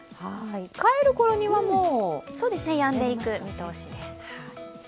帰る頃にはもうやんでいく見通しです。